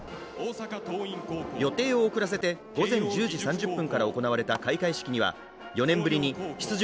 予定を遅らせて午前１０時３０分から行われた開会式には４年ぶりに出場